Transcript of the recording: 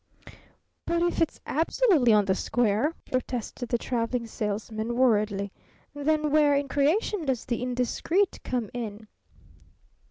"But if it's absolutely 'on the square,'" protested the Traveling Salesman, worriedly, "then where in creation does the 'indiscreet' come in?"